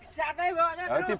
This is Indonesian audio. siapa yang bawa ini terus